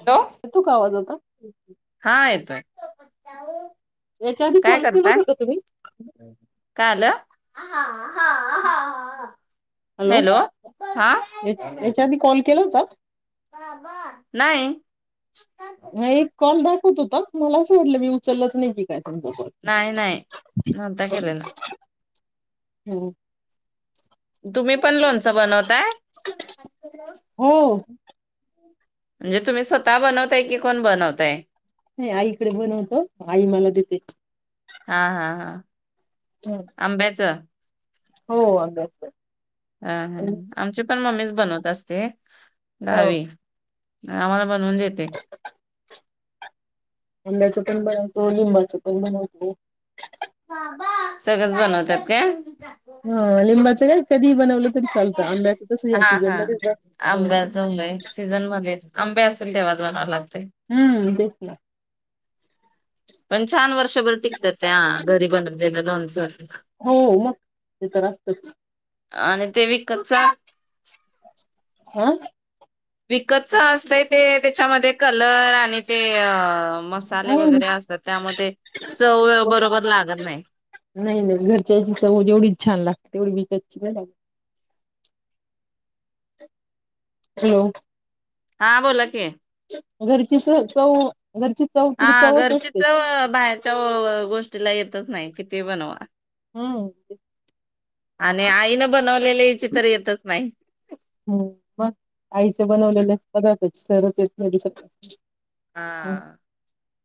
Hello येतो का आवाज आता? हा येतोय याच्या आधी काय कॉलसड करताय शता तुम्ही हा हा हा हॅलो याच्या आधी कॉल केला होता [inaudible] नाही ह एक कॉल दाखवत होता मला असं वाटलं मी उचललंच नाही की काय तुमचा कॉल. नाही नाही नणता केले ना हम्म तुम्ही पण लोणच बनवतय हो म्हणजे तुम्ही स्वतः बनवताय की कोण बनवताय नाही आईकडे बनवतो आई मला देते हा हा हा हं. आंब्याचं हो अंदाज. हम हम आमचे. पण मम्मीच बनवत असते. ह दडावी नाही आला बनवून देते. अंब्याच पण बनवतो लिंबाचं पण बनवतो. सगळंच बनवतात का. हा लिंबाच का कधी बनवलं कध हा हा हं. आंब्याचंबय सीझन मध्ये आंबे असेल तेव्हा जाऊन आलात हम्म बचला पंचाह्न वर्ष दोन टिकतात ते घरी बो सर हो मग ते तर असतच. आणि ते विकतचा- [unintelligible] विकत असतय ते त्याच्यामध्ये कलर आणि ते अ मसाले वगैरे असतात त्यामध्ये चव बरोबर लागत नाही नाही नाही घरच्याची चव जेवढी छान लागते तेवढी विकत चला ना. हॅलो हा बोला की. घरचीच होत ओ. हा घरचीच चव बाहेरच्या हो गोष्टीला येतच नाही कि. ते बनवा. हम् आणि आईने बनव हम्म मग आईचं बनवलेलं पदार्थच सरच येऊ नाही शकत- हा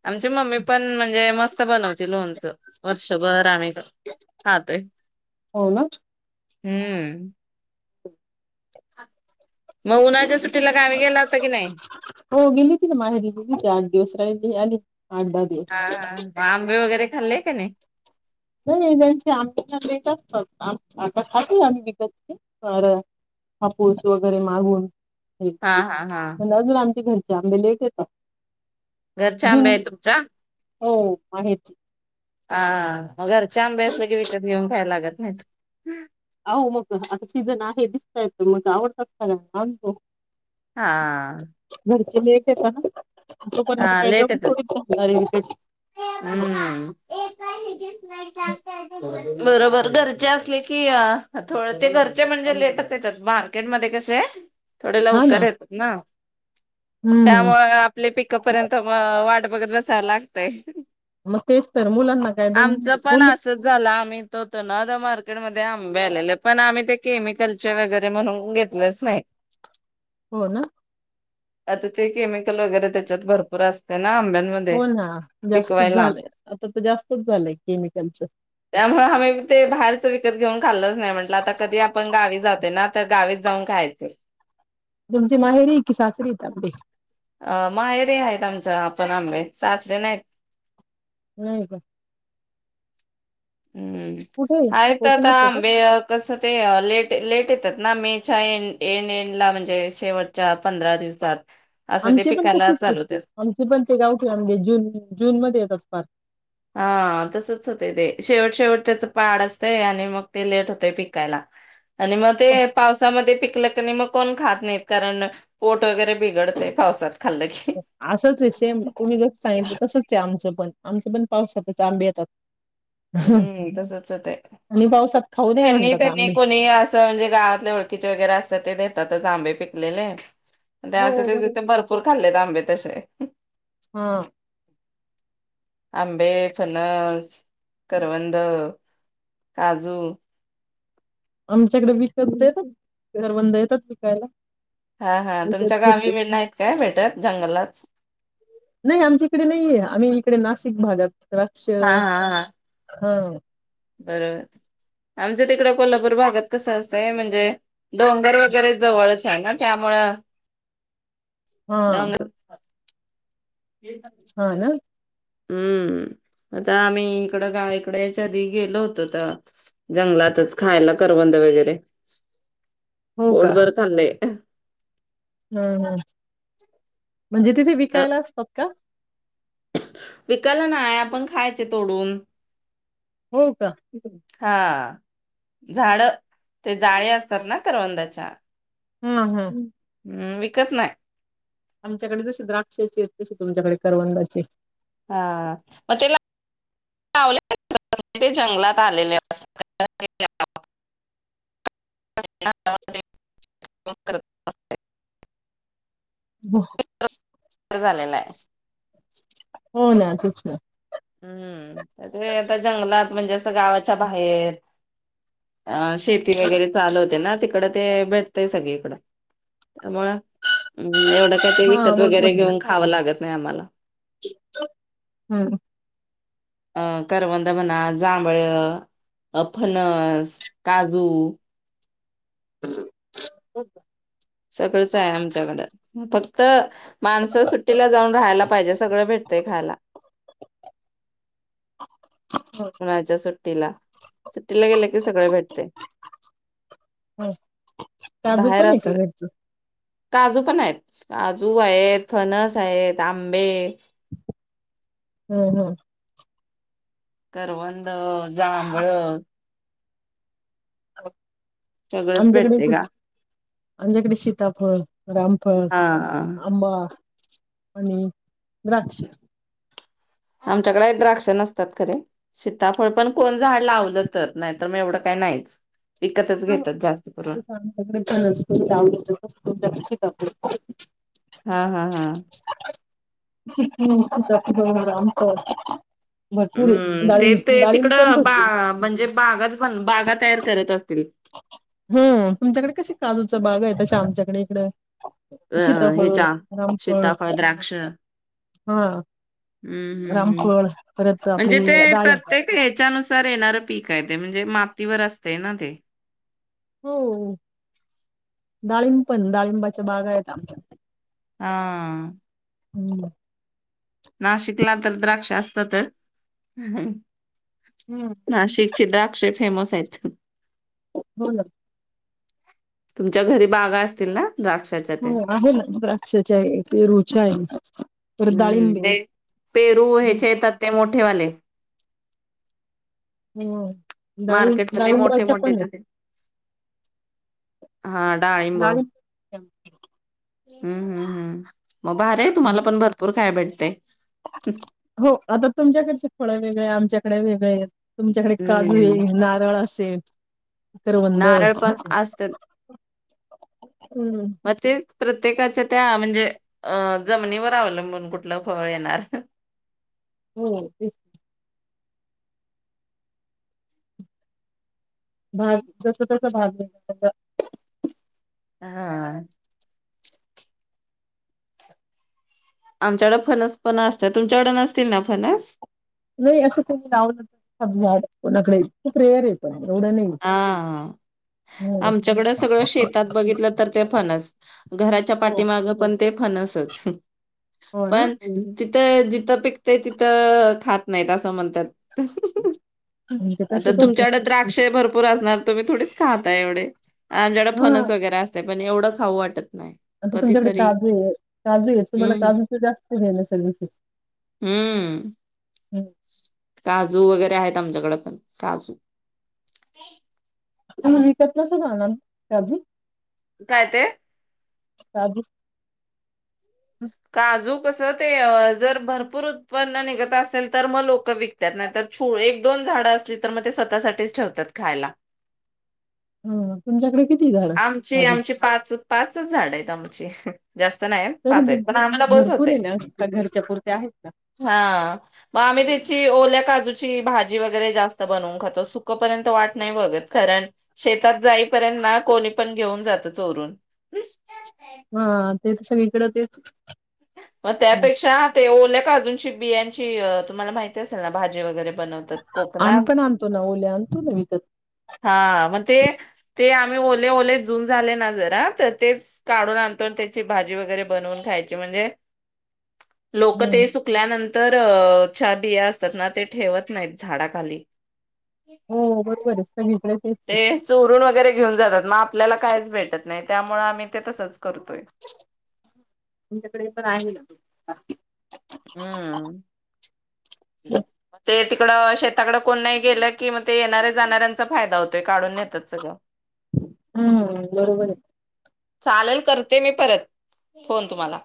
आमची मम्मी पण म्हणजे मस्त त बनवते लोनच, वर्षभर आम्ही खातोय. हो ना हम्म मग उन्हाळ्या 'हो गेली ती ना माहेरी गलीचे आठ दिवस राहिले आली' आठ दहा दिवस हा आंबे वगैरे खालय का नाही नाही एजस आमही रेट असतात आता खात आम्ही विकतचे कार हापुस वगैरे मागून हा हा हा म्हणजे आमचे घर त्यामुळे लेट येतात घरच्या आंबा जून आहे तुमचा हो माहेरची हा मग घरच्या आंब्या असलं की विकत घेऊन खायला लागत नाहीत अहो मग आता सीझन आहे दिसतायत मग आवडतात‌पण आणतो हा घरचे लय पिडतात ना हा लेट येतात आहे विकेट. बरोबर घरचे असले की थोड ते घरचे म्हणजे लेटच येतात मार्केटमध्ये कसे थोडे हा ना लवकर येतात ना हम्म त्यामुळे आपले पै येइपर्यंत मग वाट बघत बसाव लागतय मग तेच तर मुलांना कायदम मुली तो ना आता मार्केटमध्ये आंबे आलेले पण आम्ही ते केमिकलचे वगैरे म्हणून आम्ही घेतलेच नाही हो ना. आता ते केमिकल वगैरे त्या त भरपूर असत. हो ना जास्तच झालंय आता तर जास्त खूप भलं आहे केमिकलचं. त्यामुळे हमही ते बाहेरच विकत घेऊन. कल म्हट आता कधी आपण गावी जातो ना तर गावी जाऊन खायच. तुमची माहेरी की सासरी ते अ माहेरे आहेत आमच्या आपण आं सासरे नाहीत. नाही का. हम्म कुठे आहे आता आता कोकणात आहे का अंबे कसते लेट लेट ेतात ना मे च्या ए एड ला म्हणजे शेवटच्या पंधरा दिवसर आमचे पण ते सुट आमचे पण ते गावठी आमे जून जून म येतात फार हा तसच होतंय ते शेवट शेवट त्याच पाड असतं आणि मग ते लेट होतय पिकायला आणि मग ते पावसामध्ये पिकलं क नाही मग. कोण खात नाहीत कारण पोट वगैरे बिघडतय पावसात खाल्लं की. असंच आहे सेम तुम्ही जस सांगितलं तसच आहे आमचं पण आमचा पण पाऊस जातच आंबे येतात. हम्म तसच आणि पावसात खाऊ नाही त्यांनी म्हणतात त्यांनी आंबे कोणी असं म्हणजे गावातले ओळखीचे वगैरे असतात ते देतातच आंबे पिकलेले. त्या हो बरोबर तेिथे भरपूर खाल्लेत आंबे तसे हा. आंबे फनस करवंद, काजू आमच्याकडे बिकते. ंद येतच बिकायला हा हा तुमच्या गावी बी नाहीत काय भेटत जंगलात नाही आमच्या इकडे नाहीये आम्ही इकडे नाशिक भागात द्रक्ष हां हां हां, हा. बरोबर आमचं तिकडे कोल्हापूर भागात कसं असतंय म्हणजे डोंगर वगैरे जवळच आहे ना त्यामुळं हा डांंग. हा ना. हम्म, आता आम्ही इकड गावा इकडे याच्या आधी गेलो होतो. जंगलातच खायला करबंद वगैरे, पोटभर खाल्ले. हम्म हम्म... म्हणजे तिथे तर विकायला असतात का? विकायला नाय, आपण खायचे तोडून.. हो का. हा, झाड ते जाळे असतात ना करवंदाच्या. हम्म हम्म... हम्म विकत नाही. आमच्याकडे जसे द्राक्षाचे आहेत. तसे तुमच्याकडे करवंदाचे. हा मग ते ला ते जंगलात आलेले अस [unintelligible] ह झालेला आहे [inaudible] हो ना तूच ना हम्म, आता जंगलात म्हणजे, गावाच्या बाहेर... अ, शेती वगैरे चालू होते ना ते, इकड ते भेटतंय सगळीकडं, त्यामुळे एवढं काय ते, हा विकत, वगै, रे घेऊन खावं लागत. नाही आम्हाला. हं. अं करवंद म्हणा, जांभळ, अ फणस, काजू.. [inaudible] सगळंच आहे आमच्याकड, फक्त... माणसं सुट्टीला जाऊन राहायला पाहिजे, सगळं भेटतय खायला. [unintelligible] सुट्टीला, सुट्टीला गेलं कीं सगळं भेटतय. हं साजूक बाहेर पन हाय काय असलं घरच? [unintelligible] काजू पण आहेत, काजू आहेत, फणस आहेत, आंबे... हं हं... करवंद, जांभळ, [unintelligible] सगळंच आमच्याकडे, भेटते का? आमच्याकडे सीताफळ, रामफळ, हा आंबा.. आणि, द्राक्ष. आमच्याकडे द्राक्ष नसतात खरे, सीताफळ पन कोन झाड लावल तर. नाय तर काय मं एवढं काय नाहीच. विकतच घेतात जास्त करून [unintelligible] हा हा हा. [unintelligible] आहे हम्म ते ते डाळिंब डाळिंब तिकड, पण बा. भरपूर म्हंजे बागाच बन बागाच तयार करत असतील. हं, तुमच्याकडे कशी काजूच बाग हाय, तशी आमच्याकडे हिकडं हं हं ह्याच्या सीताफळ, द्राक्ष हं हा हं हं रामफळ परत म्हणजे आपली ते.. डाळी प्रत्येक ह्याचानुसार येणार पीक हाय ते म्हंजे मातीवर असतंय ना ते. हो हो हो डाळिंब पन, डाळिंबाच्या बगा आहेत आमच्या. हा. [inaudible] नाशिकला तर द्राक्ष असतातच. नाशिकची द्राक्षेच फेमस आहेत. हो ना. तुमच्या घरी बागा असतील ना? द्राक्षाच्या हो ते आहे ना, द्राक्षाच्या आहेत, पेरूच्या आहेत, परत हम्म डाळिंबे. ते पेरू ह्याचे येतात ते मोठेवाले आणि हो मार्केट मध्ये मोठे मोठेच येते. हा डाळिंब. डाळिंब हम्म हम्म मग भारी तुम्हाला पण भरपूर कॅबेट हो आता तुमच्याकडची फळ वेगळी, आमच्याक ककडे वेग येतं तुमच्याकडे काजू हम्म आहे नारळ अस तेब करवंद नारळ पण म तेचं प्रत्येकाच्या त्या म्हणजे अ जमिनीवर अवलंबून कुठलं फळ येणार हो तेच भाग जस तस भाग मिलं त्याचा हा आमच्याकड फनस पण असत तुमच्याकड नसतील ना फनस नाही असं कोणी लावलं झाड कोणाकडे खूप रेअर येतो हा हो आमच्याकड सगळं शेतात बघितलं तर ते फणस घराच्या पाठीमाग पण ते फणसच हो ना पण भिंतीत जिथं पिकते तिथं खात नाहीत असं म्हणतात म्हणजे आता तसच तुमच्याकडे असत द्राक्ष भरपूर असणार तुमी थोडीच खात एवढे आमच्याेड हा फनस वगैरे असते पण एवढं खाऊ वाटत नाही आता तुमच्याकडे कधीतरी. काजू आहे, काजू आहे तुम्हाला हम्म काजूचे जास्त हे नसेल विशेष? हम्म काजू वगैरे ते आहेत, आमच्याकडं पण काजू. [unintelligible] तर कसं जाणार काजू? काय ते? काजू. काजू कसं ते जर भरपूर उत्पन्न निघत असेल, तर मग लोक विकत्यात. नाहीतर छू एक दोन झाडं असली, तर मग ते स्वतःसाठीच ठेवतात खायला. हं तुमच्याकडे किती झाड आमची काजू आमची पाच पाचच झाड हायत त आमचे. जास्त नाहीयेत तरी पाच आहेत. ब- पण आम्हाला बस भरपूर होतंय. आहे ना का घरच्या पुरत्या आहेत ना. हा मग आम्ही त्याची ओल्या काजूची भाजी वगैरे जास्त बनवून खातो, सुखपर्यंत वाट नाही बघत. कारण शेतात जाईपर्यंत ना कोणीपण घेऊन जातं चोरून. हा तेच सगळी कडं तेच. मग हम्म. त्यापेक्षा, ते ओल्या काजूंची बियांची तुम्हाला माहिती असेल ना, भाजी वगैरे बनवतात आम्हीपण कोकणात. आणतोना, ओले आणतोना विकत. हा मग ते ते आम्ही ओले ओले जुन झाले ना जरा, तर तेच काढून आणतो आणि त्याची भाजी वगैरे बनवून खायची म्हणजे लोकं हम्म ते सुकल्यानं तरच्या बिया असतात ना, ते ठेवत नाहीत झाडाखाली. हो बरोबर हाय. ते चोरून वगैरे घेऊन जातात म आप ल्याला कायच भेटत नाही, त्यामुळं आम्ही ते तसंच करतोय तुमच्याकडेपण आहे ना [unintelligible] हम्म ते तिकड शे ताकडं कोण नाही गेलं की, मग ते येणाऱ्या जाणाऱ्यांचा फायदा होतोय. काढून नेतात सगळं. हम्म बरोबर हाय. चालेल करते मी परत, फोन तुम्हाला.